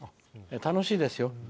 楽しいですよ。